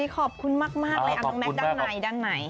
ขอบคุณมากเลยน้องแม็กซ์ด้านใน